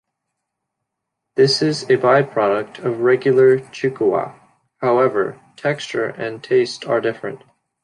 This is a by-product of regular chikuwa, however, texture and taste are different.